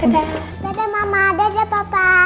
dadah mama dadah papa